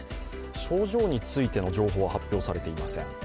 症状についての情報は発表されていません。